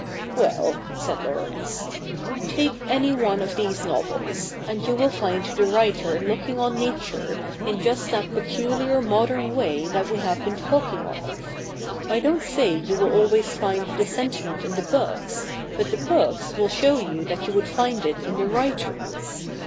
' Well,' said Laurence, ' take any one of these novels, and you will find the writer looking on Nature in just that peculiar modern way that we have been talking of. I don't say you will always find the sentiment in the books, but the books will show you that you would find it in the writers.